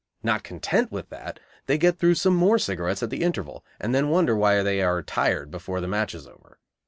Not content with that, they get through some more cigarettes at the interval, and then wonder why they are tired before the match is over.